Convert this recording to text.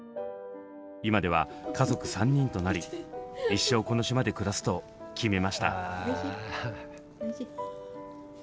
今では家族３人となり一生この島で暮らすと決めました。